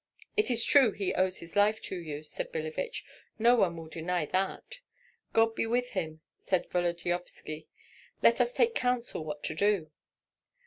"It is true he owes his life to you," said Billevich; "no one will deny that." "God be with him!" said Volodyovski; "let us take counsel what to do."